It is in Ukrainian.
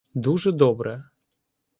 Дуже добре.